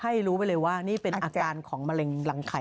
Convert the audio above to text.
ให้รู้ไปเลยว่านี่เป็นอาการของมะเร็งรังไข่